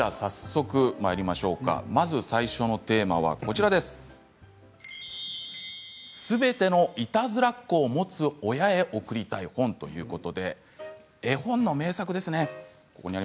まず最初のテーマはすべてのいたずらっ子を持つ親へ贈りたい本ということで絵本の名作です。